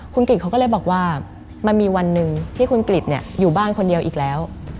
คุณกริจเขาก็เลยบอกว่ามันมีวันหนึ่งที่คุณกริจอยู่บ้านคนเดียวอีกแล้ว